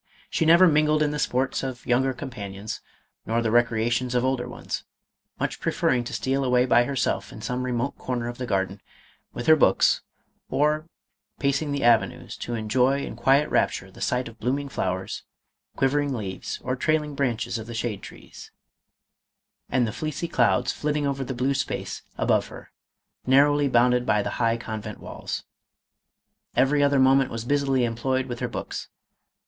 She never mingled in the sports of younger compan ions, nor the recreations of older ones, much preferring to steal away by herself in some remote corner of the garden, with her books, or, pacing the avenues, to en joy in quiet rapture the sight of blooming flowers, MADAME ROLAND. 479 quivering leaves, or trailing branches of the shade trees, and the fleecy clouds flitting over the blue space above her, narrowly bounded by the high convent walls. Every other moment was busily employed with her books.